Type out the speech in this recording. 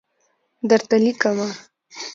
درته لیکمه